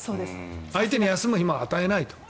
相手に休む暇を与えないと。